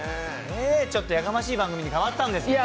ちょっとやかましい番組に変わったんですね。